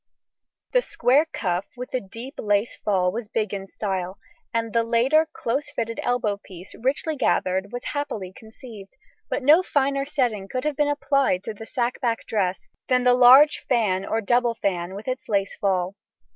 The square cuff with the deep lace fall was big in style, and the later closely fitted elbow piece, richly gathered, was happily conceived, but no finer setting could have been applied to the sack back dress than the large fan or double fan with its lace fall.